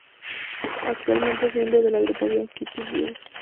Actualmente es miembro de la agrupación Kitty Girls.